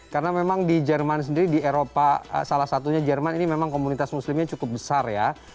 karena memang di jerman sendiri di eropa salah satunya jerman ini memang komunitas muslimnya cukup besar ya